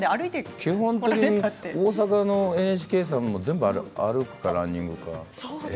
基本的に大阪のＮＨＫさんも全部歩くかランニングか。